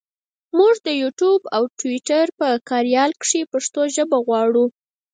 مونږ د یوټوپ او ټویټر په کاریال کې پښتو ژبه غواړو.